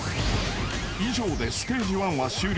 ［以上でステージ１は終了。